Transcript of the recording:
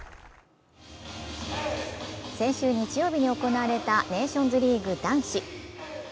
先週日曜日に行われたネーションズリーグ男子。